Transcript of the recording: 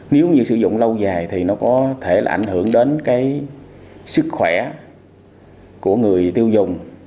nếu như sử dụng lâu dài thì nó có thể là ảnh hưởng đến cái sức khỏe của người tiêu dùng